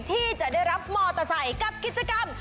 ที่จะได้รับมอเตอร์ไซค์กับกิจกรรม